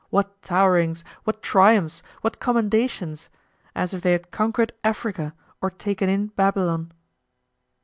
what towerings! what triumphs! what commendations! as if they had conquered Africa or taken in Babylon.